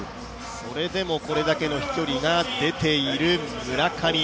それでもこれだけの飛距離が出ている村上。